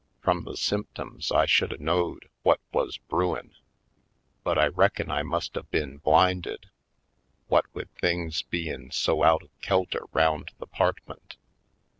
Frum the symptoms I should a knowed whut wuz brewin'. But I reckin I must a been blinded, whut wid things bein' so out of kelter round the 'partmint.